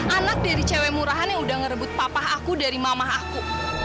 anak dari cewek murahan yang udah ngerebut papah aku dari mamah aku